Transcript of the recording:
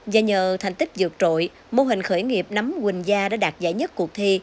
và nhờ thành tích dược trội mô hình khởi nghiệp nắm quỳnh gia đã đạt giải nhất cuộc thi